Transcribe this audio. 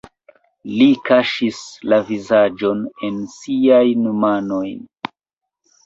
Li kaŝis la vizaĝon en siajn manojn.